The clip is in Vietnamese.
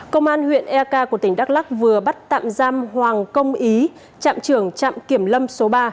công an huyện eak của tỉnh đắk lắc vừa bắt tạm giam hoàng công ý trạm trưởng trạm kiểm lâm số ba